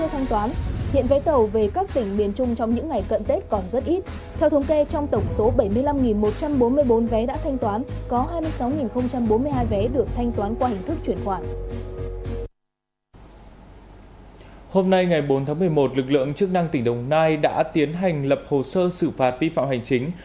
hôm nay ngày bốn tháng một mươi một lực lượng chức năng tỉnh đồng nai đã tiến hành lập hồ sơ xử phạt vi phạm hành chính